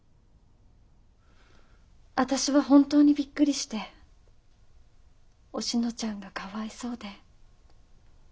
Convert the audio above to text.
私は本当にびっくりしておしのちゃんがかわいそうで。